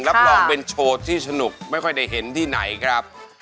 รับรองเป็นโชว์ที่สนุกไม่ค่อยได้เห็นที่ไหนครับ